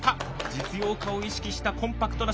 実用化を意識したコンパクトな車体。